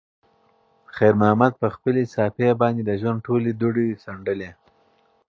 خیر محمد په خپلې صافې باندې د ژوند ټولې دوړې څنډلې.